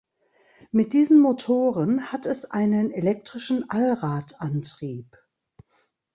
Mit diesen Motoren hat es einen elektrischen Allradantrieb.